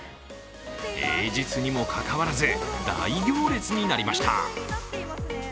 平日にもかかわらず、大行列になりました。